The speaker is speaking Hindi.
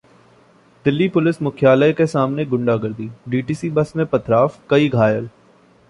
दिल्ली पुलिस मुख्यालय के सामने गुंडागर्दी, डीटीसी बस में पथराव, कई घायल